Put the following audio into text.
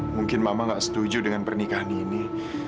mungkin mama gak setuju dengan pernikahan ini